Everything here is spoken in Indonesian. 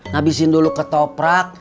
nabisin dulu ke toprak